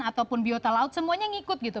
ataupun biota laut semuanya ngikut gitu